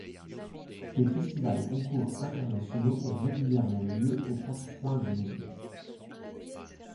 Des festivals et concours internationaux ont régulièrement lieu aux quatre coins du monde.